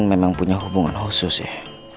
memang punya hubungan khusus ya